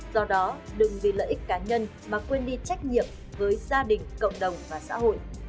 do đó đừng vì lợi ích cá nhân mà quên đi trách nhiệm với gia đình cộng đồng và xã hội